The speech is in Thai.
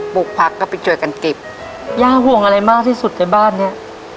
ลูกผักก็ไปช่วยกันเก็บย่าห่วงอะไรมากที่สุดในบ้านเนี้ย